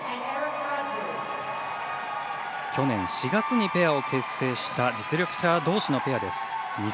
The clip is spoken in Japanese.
去年４月にペアを結成した実力者どうしのペアです。